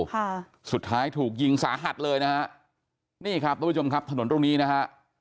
ค่ะสุดท้ายถูกยิงสาหัสเลยนะฮะนี่ครับทุกผู้ชมครับถนนตรงนี้นะฮะ